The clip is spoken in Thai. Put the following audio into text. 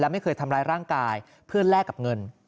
ไม่เคยทำร้ายร่างกายเพื่อแลกกับเงิน